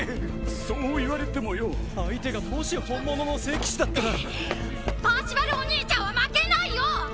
そう言われてもよ相手がもし本物の聖騎士だったらパーシバルお兄ちゃんは負けないよ！